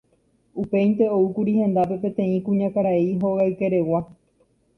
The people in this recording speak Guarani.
Upéinte oúkuri hendápe peteĩ kuñakarai hogaykeregua.